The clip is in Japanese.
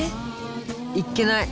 いっけない！